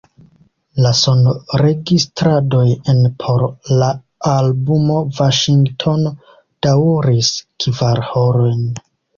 La sonregistradoj en por la albumo Vaŝingtono daŭris kvar horojn.